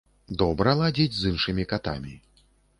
Добра ладзіць з іншымі катамі.